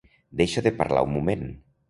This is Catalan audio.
Deixa de parlar un moment.